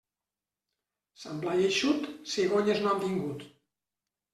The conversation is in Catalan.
Sant Blai eixut, cigonyes no han vingut.